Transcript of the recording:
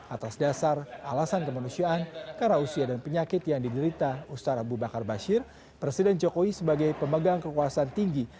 atas dasar alasan kemanusiaan karausia dan penyakit yang diderita ustadz abu bakar bashir presiden jokowi sebagai pemegang kekuasaan tinggi